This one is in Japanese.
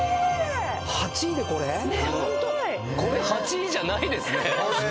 ８位でこれ⁉これ８位じゃないですね。